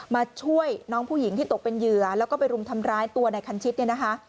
มาช่วยน้องผู้หญิงที่ตกเป็นเหยื่อแล้วก็ไปรุมทำร้ายตัวในคันชิดเนี่ยนะคะ